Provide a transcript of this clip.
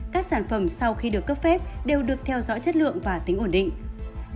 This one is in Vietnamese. các sản phẩm sau khi được cấp phép đều được theo dõi chất lượng và tính ổn định